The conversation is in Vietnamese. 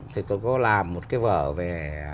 thì tôi có làm một cái vở về